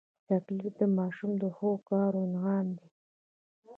چاکلېټ د ماشوم د ښو کار انعام دی.